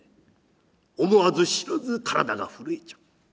思わず知らず体が震えちゃう。